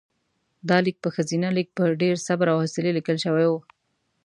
دا لیک په ښځینه لیک په ډېر صبر او حوصلې لیکل شوی و.